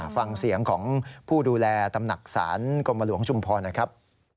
ฟังเสียงของผู้ดูแลตำหนักศาลกรมหลวงชุมพรหน่อยครับ